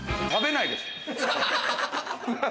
食べないです。